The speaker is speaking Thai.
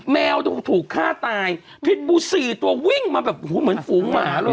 แมวถูกฆ่าตายภิตบูร์สี่ตัววิ่งมาคูมือฝูงหมาเลย